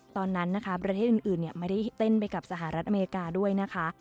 ตอนนั้นนะคะประเทศอื่นไม่ได้เต้นไปกับสหรัฐอเมริกาด้วยนะคะ